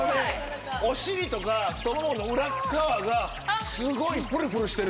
お尻とか太ももの裏側がすごいプルプルしてる。